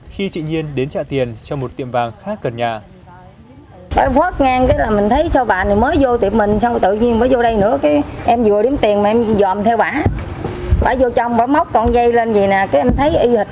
khi chị nhiên đến trả tiền cho một tiệm vàng khác gần nhà